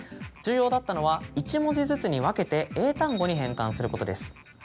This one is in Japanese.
重要だったのは１文字ずつに分けて英単語に変換することです。